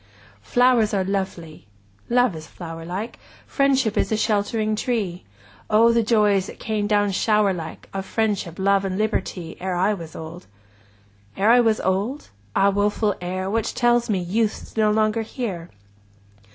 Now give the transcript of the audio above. Flowers are lovely! Love is flower like; Friendship is a sheltering tree; O the joys, that came down shower like, 20 Of Friendship, Love, and Liberty, Ere I was old! Ere I was old? Ah, woful Ere, Which tells me, Youth 's no longer here!